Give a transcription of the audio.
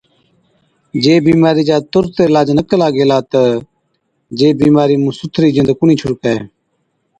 جي بِيمارِي چا تُرت عِلاج نہ ڪلا گيلا تہ جي بِيمارِي سُٿرِي جِند ڪونهِي ڇُڙڪَي۔